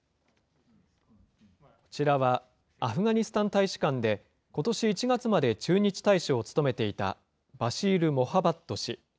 こちらはアフガニスタン大使館で、ことし１月まで駐日大使を務めていた、バシール・モハバット氏。